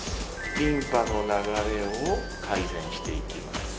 リンパの流れを改善していきます